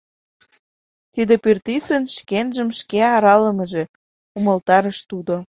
«Тиде пӱртӱсын шкенжым шке аралымыже, — умылтарыш тудо.